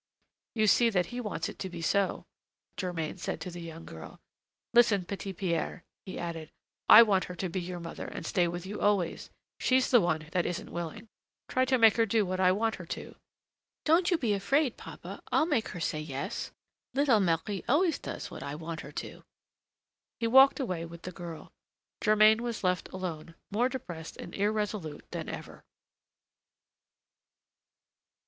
"You see that he wants it to be so," Germain said to the young girl. "Listen, Petit Pierre," he added, "I want her to be your mother and stay with you always: she's the one that isn't willing. Try to make her do what I want her to." "Don't you be afraid, papa, I'll make her say yes: little Marie always does what I want her to." He walked away with the girl. Germain was left alone, more depressed and irresolute than ever.